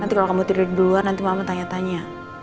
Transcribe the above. nanti kalau kamu tidur duluan nanti mama tanya tanya